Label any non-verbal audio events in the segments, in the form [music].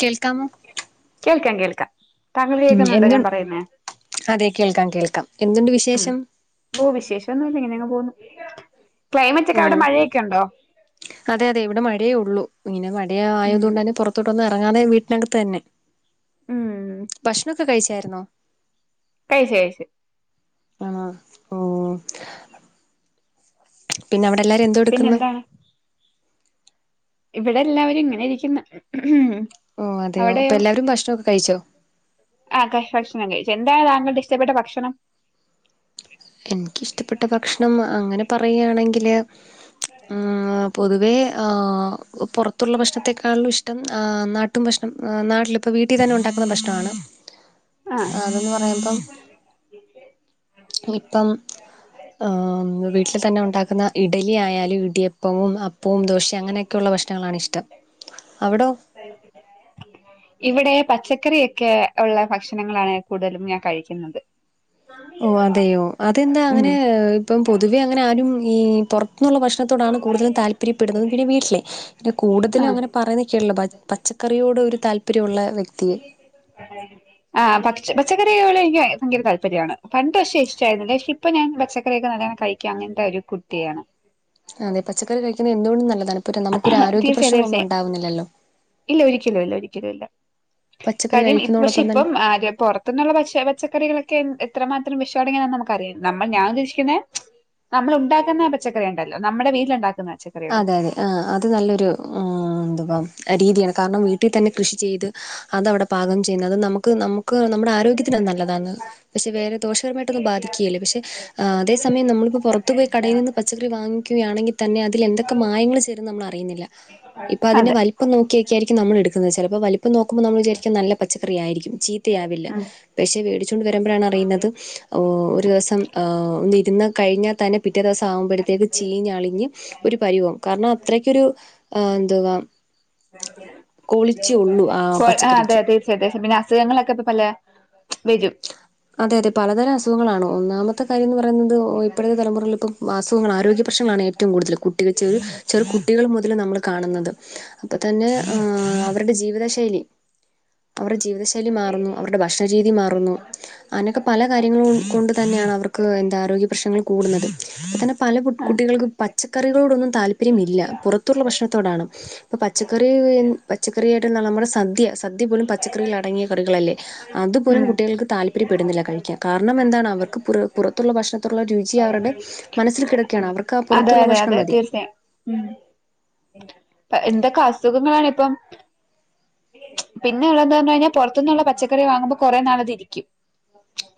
കേൾക്കാമോ കേൾക്കാ കേൾക്കാ ഉം എന്തു അതെ കേൾക്കാം കേൾക്കാം എന്തുണ്ട് വിശേഷം വിശേഷന്നുല്ല ഇങ്ങനെങ് പോന്നു ക്ലൈമറ്റ് ഒക്കെ അവിടെ ഉം മഴയൊക്കെ ഇണ്ടോ അതെ അതെ ഇവിടെ മഴയേ ഒള്ളു ഇങ്ങനെ മഴ ഉം ആയതുകൊണ്ട്ന്നെ പുറത്തോട്ടൊന്നും ഇറങ്ങാതെ വീട്ടിനകത്ത് തന്നെ ഉം ഭക്ഷ കഴിച്ചായിരുന്നോ? കഴിച് കഴിച് ആണോ ഓ പിന്നെ അവിടെ എല്ലാവരും എന്തോ എട്ക്ക്ന്നു പിന്നെന്താണ് ഇവിടെ എല്ലാവരും ഇങ്ങനെ ഇരിക്ക്ന്ന് ഓ അതെയോ അപ്പ എല്ലാവരും ഭക്ഷണംക്കെ കഴിച്ചോ ആഹ ക ഭക്ഷണം കഴിച്ചു എന്താണ് താങ്കളുടെ ഇഷ്ടപ്പെട്ട ഭക്ഷണം എനിക്കിഷ്ടപ്പെട്ട ഭക്ഷണം അങ്ങനെ പറയയാണെങ്കില് പൊതുവേ പുറത്തുള്ള ഭക്ഷണത്തെേക്കാണല്ലും ഇഷ്ടം നാട്ടും ഭക്ഷണം നാട്ടിലിപ്പോൾ വീട്ടിൽ തന്നെ ഉണ്ടാക്കുന്ന പ്രശ്നമാണ് ആ അതെന്ന് പറയുമ്പം ഇപ്പം ആഹ് വീട്ടിൽ തന്നെ ഉണ്ടാക്കുന്ന ഇഡലി ആയാലും ഇടിയപ്പവും അപ്പവും പും ദോശ അങ്ങനെയൊക്കെയ ഉള്ള ഭക്ഷണങ്ങളണ് ഇഷ്ടം അവിടോ ഇവിടെ പച്ചക്കറിയൊക്കെ ഉള്ള ഭക്ഷണങ്ങളാണ് കൂടുതലും ഞാൻ കഴിക്കുന്നത് ഓ അതെയോ അതെന്താ അങ്ങനെ ഉം ഇപ്പം പൊതുവെ അങ്ങനെ ആരും ഈ പുറത്തുന്ന്ള്ള ഭക്ഷണ തുടാണ് കൂടുതലും താല്പര്യപ്പെടുന്നത് പിന്നെ വീട്ടിലെ ആ കൂടുതലും അങ്ങനെ പറയുന്നതൊക്കെയുള്ളൂ പച്ചക്കറിയോട് ഒരു താല്പര്യള്ള വ്യക്തിയെ ആഹ് പ പച്ചക്കറികോളെ എനിക്ക് ഭയങ്കര താല്പര്യമാണ് പണ്ട് പക്ഷെ ഇഷ്ടയിരുന്നില്ല പക്ഷേ ഇപ്പോ ഞാൻ പച്ചക്കറിയൊക്കെ നല്ലോണം കഴിക്കുക അങ്ങൻത്തെ ഒരു കുട്ടിയാണ് അതെ പച്ചക്കറി കഴിക്കുന്നത് എന്തുകൊണ്ടും നല്ലതാണ് ഇപ്പം നമുക്കൊരു ആരോഗ്യ തീർച്ചയായും പ്രശ്നങ്ങളൊന്നും തീർച്ചയായും ഉണ്ടാവുന്നില്ലല്ലോ ഇല്ല ഒരിക്കലും ഇല്ല ഒരിക്കലും ഇല്ല പച്ചക്കറി കാര്യം ഇപ്പ പക്ഷെ കഴിക്കുന്നതോടൊപ്പം തന്നെ ഇപ്പം പൊറത്ത [unintelligible] പ പച്ചക്കറികളൊക്കെ എത്രമാത്രം വിഷം അടങ്ങിയ നമുക്കറിയാം നമ്മൾ ഞാൻ ഉദ്ദേശിക്കുന്നെ നമ്മൾ ഉണ്ടാക്കുന്ന പച്ചക്കറി ഉണ്ടല്ലോ നമ്മുടെ വീട്ടിലുണ്ടാക്കുന്ന പച്ചക്കറി ആഹ് അതെ അതെ ആഹ് അത് നല്ലൊരു എന്തുവാ രീതിയാണ് കാരണം വീട്ടിൽ തന്നെ കൃഷി ചെയ്ത് അതവിടെ പാകം ചെയ്യുന്നത് നമുക്ക് നമുക്ക് നമ്മുടെ ആരോഗ്യത്തിന് നല്ലതാന്ന് പക്ഷെ വേറെ ദോഷകരമായിട്ടൊന്നും ബാധിക്കുകയില്ല പക്ഷെ ആ അതേ സമയം നമ്മളിപ്പോൾ പുറത്ത പോയി കടയിൽ നിന്ന് പച്ചക്കറി വാങ്ങിക്കുകയാണെങ്കിൽ തന്നെ അത് തി എന്തൊക്കെ മായങ്ങൾ ചേരുന്നുന്ന് നമ്മൾ അറിയുന്നില്ല ഇപ്പൊ അതിന്റെ അതെ വലിപ്പം നോക്കിയൊക്കൊയിരിക്കും നമ്മൾ എടുക്കുന്നത് ചിലപ്പോ വല് ഇപ്പൊ നോക്കുമ്പോൾ നമ്മൾ വിചാരിക്കും നല്ല പച്ചക്കറി ആയിരിക്കും ചീത്തയാവില്ല ഉം പക്ഷെ വേടിച്ചൊണ്ട് വരുമ്പോഴാണ് അറിയുന്നത് ഒരു ദിവസം ആഹ് ഒന്നിരുന്ന കഴിഞ്ഞാൽ തന്നെ പിറ്റേ ദിവസം ആകുമ്പോഴത്തേക്ക് ചീഞ്ഞളിഞ്ഞ് ഒരു പരിവാവും കാരണം അത്രയ്ക്കൊരു എന്തുവാ ക്വാളിറ്റിയെ ഉള്ളു ആ പച്ചക്കറിക്ക് ഏകദേശം പിന്നെ അസുഖങ്ങളൊക്കെ ഇപ്പ പല വരും അതെ അതെ പലതരം അസുഖങ്ങളാണ് ഒന്നാമത്തെ കാര്യംന്ന് പറയുന്നത് ഇപ്പഴത്തെ തലമുറകളില് ഇപ്പം അസുഖങ്ങാണ് ആരോഗ്യ പ്രശ്നങ്ങളാണ് ഏറ്റവ ഏറ്റവും കൂടുതല് കുട്ടികൾ ചെറു ചെറു കുട്ടികൾ മുതല് നമ്മള് കാണുന്നത് അപ്പൊ തന്നെ ആഹ് അവരുടെ ജീവിത ശൈലി അവരുടെ ജീവിതശൈലി മാറുന്നു അവരുടെ ഭക്ഷണരീതി മാറുന്നു അങ്ങനെയൊക്കെ പല കാര്യങ്ങളും കൊണ്ട് തന്നെയാണ് അവർക്ക് എന്താ ആരോഗ്യ പ്രശ്നങ്ങൾ കൂടുന്നത് അപ്പ തന്നെ പല ആഹ് കുട്ടികൾക്ക് പച്ചക്കറികളോടൊന്നും താല്പര്യമില്ല പുറത്തുള്ള ഭക്ഷണത്തോടാണ് ഇപ്പൊ പച്ചക്കറി പച്ചക്കറിയായിട്ട് നമ്മുടെ സദ്യാ സദ്യ പോലും പച്ചക്കറികൾ അടങ്ങിയ കറികളല്ലേ അതുപോലും ഉം താല്പര്യപ്പെടുന്നില്ല കഴിക്കാൻ കാരണം എന്താണ് അവർക്ക് പുറ പുറത്തുള്ള ഭക്ഷണത്തുള്ള രുചി അവരുടെ മനസ്സിൽ കിടക്കാണ് അവർ അതെ അതെ അതെ തീർച്ചയായും മ് എന്തൊക്കെ അസുഖങ്ങളാണ് ഇപ്പം പിന്നെ ഉള്ളതുന്നു പറഞ്ഞാ കഴിഞ്ഞാ പുറത്തുന്നുള്ള പച്ചക്കറി വാങ്ങുമ്പോൾ കുറെ നാളത് ഇരിക്കും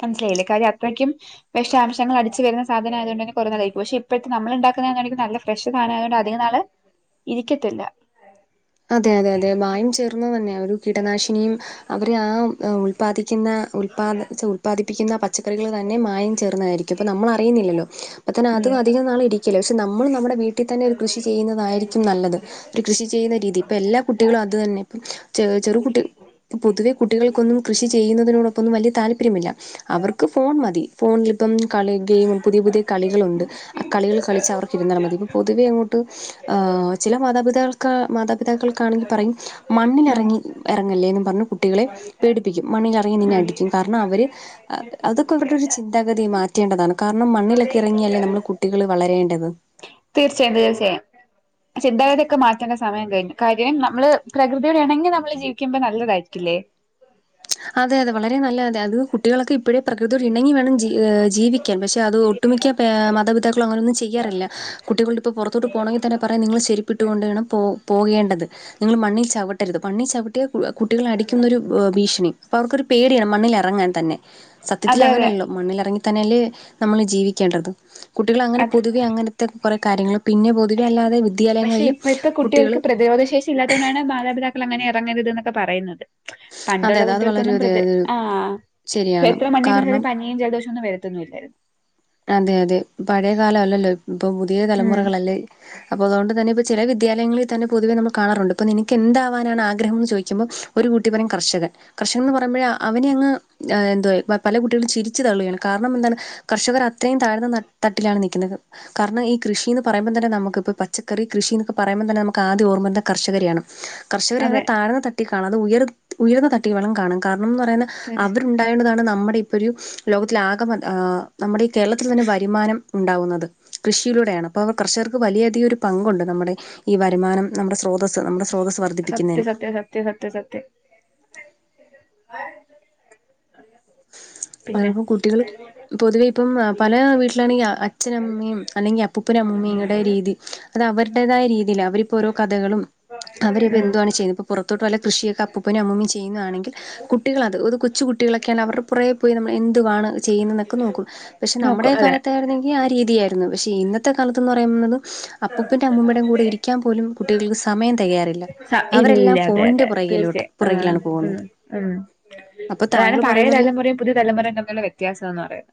മനസ്സിലായില്ലേ കാര്യം അത്രയ്ക്കും വിഷാംശങ്ങൾ അടിച്ച് വരുന്ന സാധനം ആയതുകൊണ്ട്ന്നെ കുറ നാളിരിക്കും പക്ഷെ ഇപ്പോഴത്തെ നമ്മള് ഇണ്ടാക്കുന്നെ നല്ല ഫ്രഷ് സാധനമായതു കൊണ്ട് അധിക നാള് ഇരിക്കത്തില്ല അതെ അതെ അതെ മായം ചേ തന്നെ ഒരു കീടനാശിനിയും അവരെ ആ ഉൽപ്പാദിക്കുന്ന ഉൽപ്പാദിപ്പിക്കുന്ന പച്ചക്കറികൾ തന്നെ മായം ചേർന്നതായിരിക്കും അപ്പം നമ്മൾ അറിയുന്നില്ലല്ലോ അപ്പം തന്നെ ഉം അതും അധികനാൾ ഇരിക്ക പക്ഷെ നമ്മൾ നമ്മുടെ വീട്ടിൽ തന്നെ ഒരു കൃഷി ചെയ്യുന്നതായിരിക്കും നല്ലത് ഒരു കൃഷി ചെയ്യുന്ന രീതി ഇതിപ്പോ എല്ലാ കുട്ടികളും അത് തന്നെ ചെ ചെറു കുട്ടി പൊതുവെ കുട്ടികൾക്കൊന്നും കൃഷി ചെയ്യുന്നതിനോടൊന്നും വലിയ താല്പര്യമില്ല അവർക്ക് ഫോൺ മതി ഫോണിലിപ്പം കളി ഗെയിം പുതിയ പുതിയ കളികളുണ്ട് കളികൾ കളിച്ചാ അവർക്ക് ഇരുന്നാൽ മതി ഇപ്പൊ പൊതുവെ അങ്ങോട്ട് ആഹ് ചില മാതാപിതാക്കൾ മാതാ പിത പിതാക്കൾക്കാണെങ്കിൽ പറയും ഉം മണ്ണിലിറങ്ങി ഇറങ്ങല്ലേന്ന് പറഞ്ഞു കുട്ടികളെ പേടിപ്പിക്കും മണ്ണിലിറങ്ങിയാ നിന്നെ ഉം അടിക്കും കാരണം അവര് അതൊക്കെ ഇവരുടെ ഒരു ചിന്താഗതി മാറ്റേണ്ടതാണ് കാരണം മണ്ണിലൊക്കെ ഇറങ്ങിയാലേ നമ്മടെ കുട്ടികൾ വളരേണ്ടത് തീർച്ചയായും തീർച്ചായും ചിന്താഗതിയൊക്കെ മാറ്റേണ്ട സമയം കഴിഞ്ഞു കാര്യം നമ്മള് പ്രകൃതിയോട് ഇണങ്ങി നമ്മള് ജീവിക്കുമ്പോ നല്ലതായിരിക്കില്ലേ അതെ അതെ വളരെ നല്ല അതെ അത് കുട്ടികളൊക്കെ ഇപ്പോഴേ പ്രകൃതിയോട് ഇണങ്ങി വേണം ജീവിക്കാൻ പക്ഷെ അത് ഒട്ടുമിക്ക മാതപിതാക്കളും അങ്ങനെയൊന്നും ചെയ്യാറില്ല കുട്ടികളുടെ ഇപ്പോ പുറത്തോട്ട് പോണമെങ്കി തന്നെ പറയും നിങ്ങൾ ചെരിപ്പിട്ടു കൊണ്ട് വേണം പോ പോകേണ്ടത് നിങ്ങൾ മണ്ണിൽ ചവിട്ടരുത് മണ്ണിൽ ചവിട്ടിയാൽ കു കുട്ടികൾ അടിക്കുന്നൊരു ഭ് ദിഷ്ണി പ്പോവർക്കൊരു പേടിയാ മണ്ണിൽ എറങ്ങാൻ തന്നെ സത്യത്തിൽ അതെ അതെ അങ്ങനെയല്ലോ മണ്ണിലറങ്ങിത്തന്നേല്ലേ നമ്മള് ജീവിക്കേണ്ടത് കുട്ടികൾ അങ്ങനെ അത് പൊതുവെ അങ്ങനത്തെ കൊറെ കാര്യങ്ങൾ പിന്നെ പൊതുവെ അല്ലാതെ വിദ്യാലയങ്ങളില് കുട്യേള് രോധശേഷ് ഇല്ലാത്തൊണ്ടാണ് മാതാപിതാക്കൾ അങ്ങനെ ഇറങ്ങരുത് ന്നൊക്കെ പറയുന്നത് അതെ പണ്ട്ള്ള അതെ അത് വളരെ കുട്ടേൾക്കന്നും ഒരു പ്രതി ആഹ് ശരിയാണ്. എത്ര മണ്ണി നിന്ന്ട്ട്ട് കാരണം തനി നീ ജൽദോഷൊന്നും വരത്തൊന്നുല്ലായിര്ന്നു അതെ അതെ പഴയ കാലല്ലല്ലോ ഇപ്പൊ പുതിയ ഉം തലമുറകളല്ലേ അപ്പൊ അതുകൊണ്ട് തന്നെ ഇപ്പൊ ചില വിദ്യാലയങ്ങളിൽ തന്നെ പൊതുവെ നമ്മൾ കാണാറുണ്ട് ഇപ്പൊ നിനക്ക് എന്താവാനണ് ആഗ്രഹം എന്ന് ചോദിക്കുമ്പോ ഒരു കുട്ടി പറിം കർഷകൻ കർഷകൻ ന്ന് പറിമ്പഴെ അ അവനെയങ്ങ് അ് ന്തുവാ പ പല കുട്ടികളും ചിരിച്ച് തള്ളുകയാണ് കാര്ണംന്താണ് കർഷകർ അത്രിം താഴ്ന്ന തട് തട്ടിലാണ് നിക്യുന്നത് കാർണം ഈ കൃഷീന്ന് പറയുമ്പതന്നെ നമക്ക്പ്പൊ പച്ചക്കറി കൃഷിനൊക്കെ പറീമ്പംതന്നെ നമ്ക്ക് ആദ്യ ഓർമ്മന്ത കർഷകരെയാണ് അതെ കർഷകരെയങ്ങനെ താഴ്ന്നതട്ടി കാണാദ് ഉയർത്തി ഉയർന്നതട്ടിവേണം കാണം കാര്ണംന്ന് പറയുന്നെ തീർച്ച അവർ ഉണ്ടായോണ്ടതാണ് നമ്മടെ ഇപ്പൊരു ലോകത്തിലെ ആക പം ആഹ് നമ്ടെ കേരളത്തിൽ തന്നെ വര്മാനം ഉണ്ടാവുന്നത് കൃഷിലൂടെയാണ് അപ്പോ കർഷകർക്ക് വലിയ അധികം ഒര് പങ്കുണ്ട് നമ്മടെ ഈ വര്മാനം നമ്മുടെ സ്രോതസ് നമ്മുടെ സ്രോതസ് വർദ്ധിപ്പിക്യുന്നേന് സത്യ സത്യ സത്യ [unintelligible] പിന്നെ പലർക്കും കുട്ടികള് പൊതുവെ ഇപ്പം പല വീട്ടിലാണെങ്കി അച്ഛനമ്മിയും അല്ലെങ്കി അപ്പൂപ്പനമ്മൂമി ങ്ങടെ രീതി അതഅവര്ടേതായ രീതില് അവരിപ്പോ ഓരോ കഥകളും അവരിദ്യൊ ഉം ന്ത്യുവാണ് ചെയ്യു പുറത്തോട്ട് വല്ല കൃഷിയൊക്കെ അപ്പൂപ്പനും അമ്മുമിം ചെയ്യു ന്ന്യാണെങ്കിൽ കുട്ടികൾ അത് ഒദു കൊച്ച് കുട്ടികളെ ക്കെനവർപുറേ പോയി നമ്മൾ എന്തു വാണ് ചെയ്യുന്ന്ന്നൊക്കെ നോക്കും പക്ഷെ നമ്മടെ നോക്കും അതെ കാലത്തായ്ന്നെങ്കി ഈആഹ് രീതിയായ്രുന്നു പക്ഷെ ഇന്നത്തെ കാലത്ത്ന്ന് പറയുന്നത് അപ്പൂപ്പൻ്റെ അമ്മുമ്മടെം കൂടെ ഇരി ക്യാൻ പോലും കുട്ടിൾക്ക് സമയം തയ്യാറില്ല സ ഇല്ല അതെ അതെ അവരെല്ലാംഫോണിന്റെ അതെ പുറകിലോട്ട് തീർച്ചയായും ആ ഉം പുറകിലാണ്പോവുന്നത് അപ്പൊതാങ്കൾ പഴേതലമുറിം പുതിയതലമുറിം തമ്മീൽള്ള വ്യത്യാസാന്ന്പറിം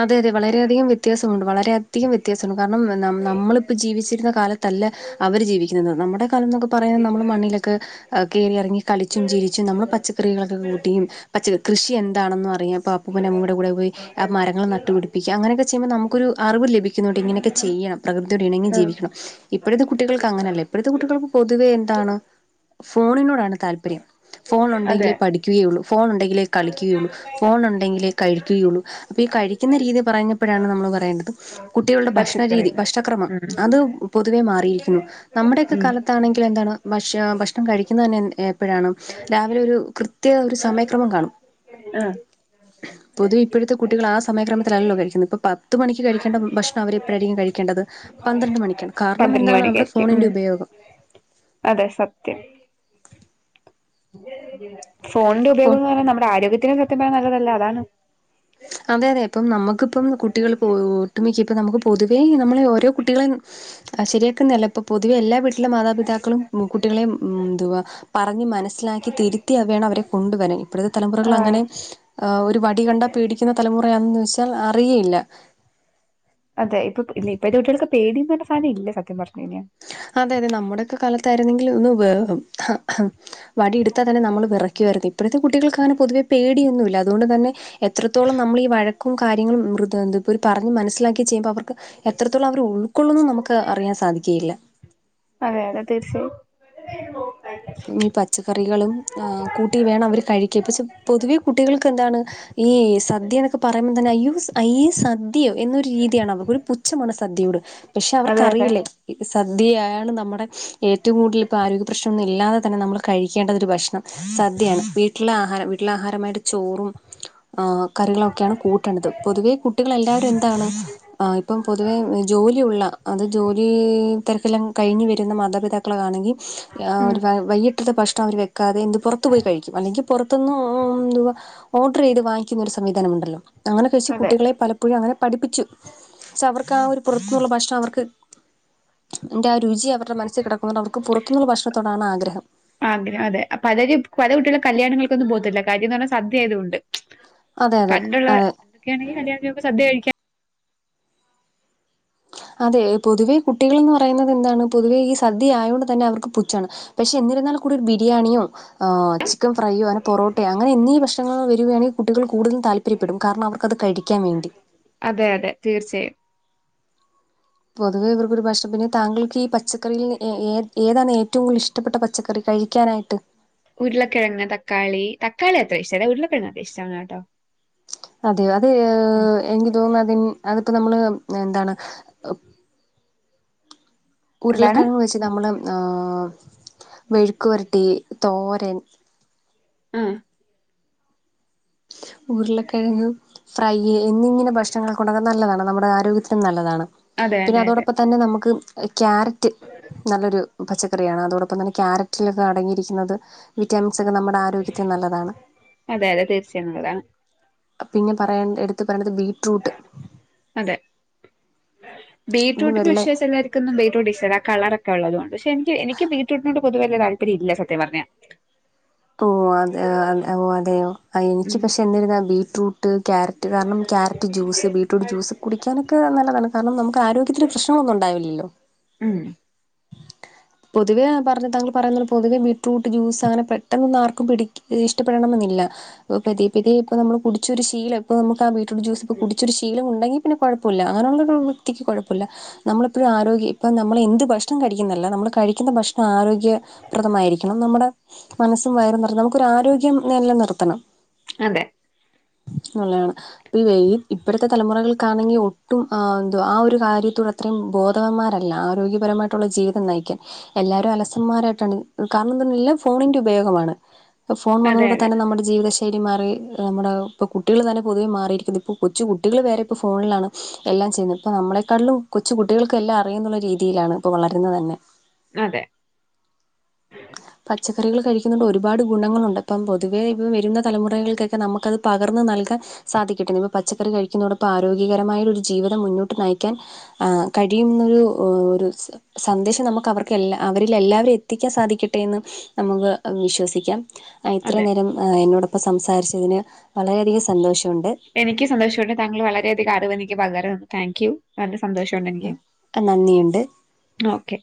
അതെഅതെ വളരെയധികംവ്യത്യാസമുണ്ട് വളരെയദ്ധികം വ്യത്യാസണ്ട് കാര്ണം നമ് നമ്മളിപ്പജീവിച്ചിര്ന്നകാലത്തല്ല അവര്ജീവിക്യുന്നത് നമ്മടെകാലംന്നൊ കു പറയുന്നമ്മള്മണ്ണിലൊക്കെ അ് കേറിയറങ്ങി കളിച്ചുംചിരിച്ചും നമ്മൾ പച്ചക്കറികളൊക്കെകൂട്ടിയും പച്ചഹ് കൃഷിഎന്താണെന്നുഅറിയാം പ്പപ്പുപ്പനമ്മുമ്മടെ കൂടെപോയി ആ മരങ്ങള്നട്ടുപിടിപ്പി ചെ അങ്ങനെക്കെചെയ്മോ നമ്ക്കൊരുഅറിവ് ലഭിക്യുന്നുണ്ട് ഇങ്ങനൊക്കെ ചിയ്യാംപ്രകൃത്യോട് ഇണങ്ങി ഉം. ജീവിക്കണം ഇപ്പഴത്തെ കുട്ടികൾക്ക് അങ്ങനെല്ലെ ഇപ്പോഴത്തെ കുട്ടികൾക്ക് പൊതുവേഎന്താണ് ഫോണിനോടാണ്താല്പര്യം അതെ ഫോണുണ്ടെങ്കിലേ പഠിക്ക്യുകയുള്ളു ഫോണ് ണ്ടെങ്കിലേ കളിക്യുകയുള്ളൂ ഫോണുണ്ടെങ്കിലേ കഴിക്യുകയുള്ളൂ പ്പികഴിക്ക്ന്നരീതി പറഞ്ഞപ്പഴാണ് നമ്മള്പറയേണ്ടത് കുട്ടികളുടെ ഭഷ്ണരീതി പച്ചക്കറികൾ ഭക്ഷണക്രമം ഉം അത് പൊതുവെമാറിയിരിക്കുന്നു ഉം നമ്മടെക്കെകാലത്ത് ന്താണങ്കിലും എന്താണ് ഭക്ഷാ ഭക്ഷണംകഴിക്കുന്നതന്നെ ൻ എപ്പഴാണ് രാവിലെഒരുകൃത്യഒരുസമയ ആഹ് പൊതുവെ ഇപ്പഴ്ത്തെകുട്ടികളാ ആ സമയക്രമത്തിലല്ലോ കഴിക്കുന്ന് ഇപ്പൊപത്ത്മണിക്ക് കഴിക്കേണ്ട ഭക്ഷണാവര് പ്പഴായിരിക്കുംകഴിക്കേണ്ടത് പന്ത്രണ്ട്മണിക്ക്യാണ് പന്ത്രണ്ട് കാർണംമെന്താണ് അവ്റെ മണിക്കായിരിക്കും ഉം സ്ഫോണിന്റെഉപയോഗം അതെ സത്യം ഫോണിന്റെ ഇപ്പോൾ ഉപയോഗംന്നറഞ്ഞ നമ്മടെ ആരോഗ്യത്തിന് സത്യം പറഞ്ഞ നല്ലതല്ല അതാണ് അതെഅതെ ഇപ്പംനമ്മുക്ക്പ്പം കുട്ടികള് പോട്ട്മിക്കപ്പനമ്ക്ക് പൊതുവേ ഈ നമ്മളെഓരോ കുട്ടികളേം അശിര്യാക്കന്നല്ലപ്പൊ പൊതുവെഎല്ലാ വീ ക്കില്ലമാതാപിതാക്കളും മ് കുട്ടികളേം മ് ന്തുവാ പറഞ്ഞ് മനസ്സിലാക്കി തിര്ത്തിയ വേണംഅവരെ കൊണ്ടുവരാന് ആഹ് ഇപ്പഴത്തെതലമുറകളങ്ങനെ ആഹ് ഒരുവടികണ്ടാപേടിക്കുന്ന തലമുറയാന്ന് വെസാൽ അറിയേല്ല അതെ ഇപ്പ പ് ഇന്നി ഇപ്പഴത്തെ കുട്ടിയാൾക്ക് പേടീന്നർഞ്ഞസാനം ഇല്ലസത്യം പർഞ്ഞഴിഞ്ഞാ അതെഅതെ നമ്മുടെക്കെകാലത്തായിരുന്നെങ്കില് ഒന്ന് വേഹും ഹ്ഹാ വടിഇട്ത്താതന്നെ നമ്മള് വിറക്കായിരുന്നു ഇഴത്തെ കുട്ടികൾക്ക് അങ്ങനെ പൊതുവേ പേടിയൊന്നുംല്ല അുത്കൊണ്ടും തന്നെ എത്രത്തോളം നമ്മളീഈ വഴക്കുംകാര്യങ്ങളും മൃത്എന്തു പ്പൊരുപറഞ്ഞ് മനസ്സിലാക്കി ചെയ്യുമ്പോ അവർക്ക് എത്രത്തോളം അവറ് ഉൾക്കൊള്ളുംന്ന് നമുക്ക് അറിയാൻ സാധിക്കേയില്ല അതെതെ തീർച്ചയായും പിന്നെ ഈപച്ചക്കറികളും എഹ് കൂട്ടിവേണം അവര് കഴിക്ക് പഷെ പൊതുവെ കുട്ടികൾക്ക് എന്താണ് ഈ സദ്യന്ന്ക്കെ പറയുമ്പം തന്നെ അയ്യോസ അയ്യെസദ്യയോ എന്നൊര് രീതിയാണ് അവർക്കൊപുച്ഛമാണ് സദ്യയോട് പക്ഷെ അതെ അതെ അവർക്കറിയില്ലേ സദ്യയേണ്നമ്മുടെ ഏറ്റവും കൂടുല് പ്പൊആരോഗ്യപ്രശ്നംന്നെ ഇല്ലാതെതന്നെ നമ്മള് കഴിക്കേണ്ടത് രുഭക്ഷണം സദ്യയാണ് വീട്ടിലാഹാരം വീട്ടിലാഹാരമായിട്ട് ചോറും ആ കറികളൊക്കെയാണ് കൂട്ടേണ്ടത് പൊതുവെ കുട്ടികളെല്ലാവരും എന്താണ് ആഹ് ഇപ്പം പൊതുവേ ജോലിയുള്ള അത് ജോലീ തെര്ക്കെല്ലാം കഴിഞ്ഞ് വരുന്ന മാതാപിതാക്ക ക്ക്‌ളാണെങ്കി യാ ഉം വൈകിട്ടത്തെഭക്ഷണംഅവര് വെക്കാതെ എന്ത്പൊറ്ത്ത് പോയികഴിക്കും അല്ലെങ്കി പുറത്തൊന്നൊ ഓഹ് എന്തുവാ ഓഡ്റെയ്ത് വാങ്ങിക്കുന്നൊരു സംവിധാനംമുണ്ടല്ലോ അങ്ങനെകഴിച്ച് അതെ കുട്ടികളെ പല പ്പോയി അങ്ങനെ പഠിപ്പിച്ചു പക്ഷെ അവർക്ക് ആ ഒരു പുറത്ത്ന്നുള്ള ഭക്ഷണം അവർക്ക് [unintelligible] രുചി അവര്ടെ മൻസ്സ് കടക്ക്‌ണോണ്ട് അവർക്ക് പുറത്ത്ന്നുള്ള ഭക്ഷണത്തോടാണ് ആ ആഗ്രഹംഅതെ അപ്പലര് പലകുട്ടിക കല്യാണങ്ങൾക്കൊന്നുംപോവ്ത്തില്ല കാര്യംന്ന്പറഞ്ഞസദ്യായതുകൊണ്ട് അതെ അതെ പണ്ടുള്ള അതെ പണ്ടൊക്കെണങ്കി കല്യാണത്തിനോക്കേസദ്യകഴിക്കൻ അതെപൊതുവെ കുട്ടികൾന്ന് പറയുന്നത് എന്താണ് പൊതുവെഈസദ്യ ആയോണ്ട് തന്നെ അവർക്ക് പുച്ചാണ് പഷെ എന്നിരുന്നാലൂകൂടിഒരു ബിരിയാണിയോ ആഹ് ചിക്കൻഫ്രയ്യോ അനെ പൊറോട്ടേ അങ്ങനഎന്നീ ഭക്ഷണങ്ങ വരുകയാണെ കുട്ടികൾ കൂടുതുംതാല് [unintelligible] കാരണം അവർക്കത് കഴിക്കാൻവേണ്ടി അതെ അതെ തീർച്ചയായും പൊതുവേഇവർക്കൊരു ഭഷപ്പിന് താങ്കൾക്ക് ഈ പച്ചക്കറിയിൽന്ന് ഏ ഏഹ് ഏതാണ് ഏറ്റവും കൂടുതൽഷ് ഇഷ്ടപ്പെട്ട പച്ചക്കറി കഴിക്കാനായിട്ട് ഉരുളക്കിഴങ് തക്കാളി താക്കാളി അത്ര ഇഷ്ട്ടല്ല ഉരുളക്കിഴങത്ര ഇഷ്ടമാണ് കേട്ടോ അതെയോ അതെ ഉം എനിക്ക് തോന്നുന്നു അതി അതിപ്പോ നമ്മള് എന്താണ് എന്താണ് ഉരുളക്കിഴങ്ങ് വെച്ച് നമ്മള് വെഴുക്ക് വരട്ടി തോരൻ ഉം ഉരുളക്കേഴങ്ങ് ഫ്രൈ എന്നിങ്ങനെ ഭക്ഷണങ്ങള് ഉണ്ടാക്കാൻ നല്ലതാണ് നമ്മുടെ ആരോഗ്യത്തി ഏറ്റവും നല്ലതാണ് അതെ പിന്നെ അതെ അതെ അതോടൊപ്പം തന്നെ നമ്മുക്ക് ക്യാരറ്റ് നല്ലൊരു പച്ചക്കറിയാണ് അതോടൊപ്പം തന്നെ ക്യാരറ്റിലൊക്കെ അടങ്ങിയിരിക്കുന്നത് വിറ്റാമിൻസൊക്കെ നമ്മുടെ ആരോഗ്യത്തിന് നല്ലതാണ്. അതെ അതെ തീർച്ച ഒള്ളത് ആണ് പിന്നെ പറയണ്ട എടുത്ത് പറയണ്ടത് ബീറ്റ്റൂട്ട് അതെ പിന്നെ ബീട്രൂട്ടിന് വെള്ളെ വിശേഷ ഒള്ള എല്ല എനക്ക് ഒന്നും ബീറ്റ്റൂട്ട് ഇഷ്ട്ട അല്ല ആ കളറൊക്കെ ഒള്ളത് കൊണ്ട് പക്ഷ എനിക്ക് എനിക്ക് ബീറ്റൂട്ടിനോട് പൊതുവെ വെല്യ താല്പര്യം ഇല്ല സത്യ പറഞ്ഞ ഓ അത് ഓ അതെയോ എനിക്ക് ഉം പക്ഷെ എന്നിരുന്ന ബീറ്റ്റൂട്ട് ട്ട് ക്യാരറ്റ് കാരണം ക്യാരറ്റ് ജൂസ് ബീട്രൂട്ട്്ജൂസ് കുടിക്കാനൊക്കെ നല്ലതാണ് കാരണം നമുക്ക് ആരോഗ്യത്തിന് പ്രശ്നങ്ങളന്നും ഒണ്ടാവില്ലലോ ഉം പൊതുവേ പറഞ്ഞ താങ്കൾ പറയുന്ന പൊതുവേ ബീറ്റ്റൂട്ട് ജൂസ് അങ്ങനെ പേ ഇതൊന്നും ആർക്കും പിടി ഇഷ്ടടണമെന്നില്ല ഇപ്പ പതിയ പതിയ ഇപ്പ നമ്മൾ കുടിച്ച ഒരു ശീലം ഇപ്പ നമുക്ക് വീ ബീറ്റ്റൂട്ട് ജ്യൂസ് ഒക്കെ കുടിച്ചൊരു ശീലം ഉണ്ടങ്കിൽ പിന്നെ കൊഴപ്പോല്ല അങ്ങനുള്ളൊരു വ്യക്തിക്ക് കൊഴപ്പോല്ല നമ്മളെപ്പോഴും ആരോഗ്യം ഇപ്പ നമ്മള് എന്ത് ഭക്ഷണം കഴിക്കുന്നല്ല നമ്മള് കഴിക്കുന്ന ഭക്ഷണം ആരോഗ്യ പ്രദമായിരിക്കണം നമ്മുടെ മനസ്സും വയറും നിറഞ്ഞ് നമുക്കൊരു ആരോഗ്യം നില നിർത്തണം അതെ നല്ലയാണ് പി ഏയ്യ് ഇപ്പഴത്തെ തലമുറകൾക്കാണെങ്കിൽ ഒട്ടും ആ എന്ത ആ ഒരു കാര്യത്തോട് അത്രയും ബോധവന്മാരല്ല ആരോഗ്യ പരമായിട്ടുള്ള ജീവിതം നയിക്കാൻ എല്ലാരും അലസന്മാരായിട്ടാണ് കാരണം എല്ലാം ഫോണിന്റെ ഉ ഉപയോഗമാണ് ഫോൺ അതെ വന്നതോടെ അതെ തന്നെ നമ്മട് ജീവിതശൈലി മാറി നമ്മുടെ ഇപ്പോ കുട്ടികൾ തന്നെ പൊതുവെ മാറിയിരിക്കുന്നത് ഇപ്പോൾ കൊച്ചു കുട്ടികള് വരെ ഇപ്പോൾ ഫോണിലാണ് എല്ലാം ചെയ്യുന്നു ഇപ്പൊ നമ്മളെക്കാളിലും കൊച്ചു കുട്ടികൾക്ക് എല്ലാം അറിയുന്നുള്ള രീതിയിലാണ് ഇപ്പ വളരുന്നത് തന്നെ. അതെ പച്ചക്കറികള് കഴിക്കുന്നോണ്ട് ഒരുപാട് ഗുണങ്ങളുണ്ട് ഇപ്പം പൊതുവെ ഇപ്പ വരുന്ന തലമുറകൾക്കക്കെ നമ്മുക്ക് അത് പകർന്ന് നൽകാൻ സാധിക്കട്ടെ ഇപ്പ പച്ചക്കറി കഴിക്കുന്നതോടൊപ്പം ആരോഗ്യകരമായൊരു ജീവിതം മുന്നോട്ട് നയിക്കാൻ ആഹ് കഴിയുന്നൊരു ഒരുസം സന്ദേശം നമുക്ക് അവർക്ക് എല്ല അവരിൽ എല്ലാവരിലും എത്തിക്കാൻ സാധിക്ക കിട്ടി എന്ന് നമുക്ക് വിശ്വസിക്കാം ഇത്ര അതെ നേരം എന്നോടൊപ്പം സംസാരിച്ചതിന് വളരെയധികം സന്തോഷമുണ്ട് എനിക്ക് സന്തോഷം ഒണ്ട് താങ്കൾ വളരെയധികം അറിവ് എനിക്ക് പകർന്നു തന്നു താങ്ക് യൂ നല്ല സന്തോഷം ഒണ്ട് എനിക്ക്. നന്ദിയുണ്ട് എന്നാ ഓക്കെ